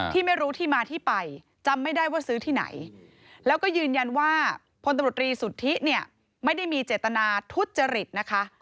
ที่ไม่รู้ที่มาที่ไปจำไม่ได้ว่าซื้อที่ไหนแล้วก็ยืนยันว่าพลตำรวจรีสุทธิเนี่ยไม่ได้มีเจตนาทุจริตนะคะ